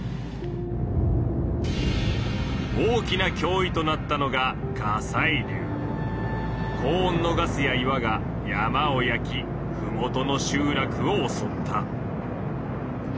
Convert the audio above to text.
大きな脅威となったのが高温のガスや岩が山を焼きふもとの集落をおそった。